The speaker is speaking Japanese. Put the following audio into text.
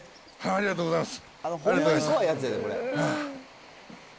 ありがとうございます。